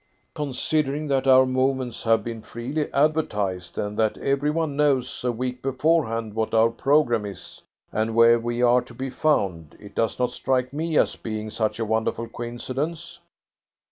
"Considering that our movements have been freely advertised, and that every one knows a week beforehand what our programme is, and where we are to be found, it does not strike me as being such a wonderful coincidence."